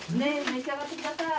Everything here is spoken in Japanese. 召し上がってください。